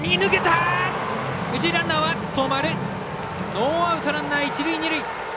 ノーアウト、ランナー、一塁二塁。